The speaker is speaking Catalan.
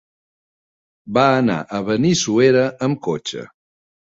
Va anar a Benissuera amb cotxe.